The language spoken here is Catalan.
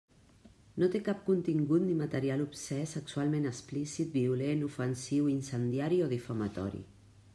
No té cap contingut ni material obscè, sexualment explícit, violent, ofensiu, incendiari o difamatori.